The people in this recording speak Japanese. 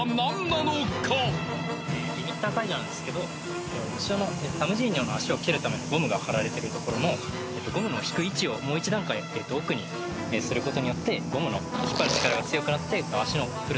リミッター解除なんですけど後ろのタムジーニョの足を蹴るためのゴムが張られてる所のゴムの引く位置をもう１段階奥にすることによってゴムの引っ張る力が強くなって足を振る